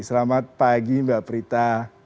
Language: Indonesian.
selamat pagi mbak prita